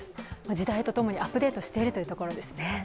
時代とともにアップデートしているというところですね。